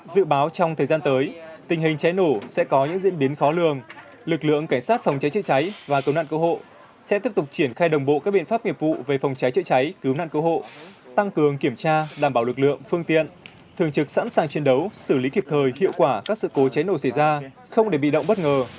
dự báo trong thời gian tới tình hình cháy nổ sẽ có những diễn biến khó lường lực lượng cảnh sát phòng cháy chữa cháy và cứu nạn cứu hộ sẽ tiếp tục triển khai đồng bộ các biện pháp nghiệp vụ về phòng cháy chữa cháy cứu nạn cứu hộ tăng cường kiểm tra đảm bảo lực lượng phương tiện thường trực sẵn sàng chiến đấu xử lý kịp thời hiệu quả các sự cố cháy nổ xảy ra không để bị động bất ngờ